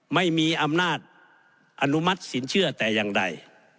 ไม่มีอำนาจอนุมัติสินเชื่อแต่อย่างใด